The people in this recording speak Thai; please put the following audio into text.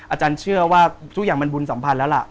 อาจารย์เชื่อว่าทุกอย่างมันบุญสัมพันธ์แล้วล่ะ